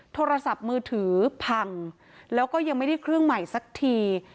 โทรศัพท์มือถือพังแล้วก็ยังไม่ได้เครื่องใหม่สักที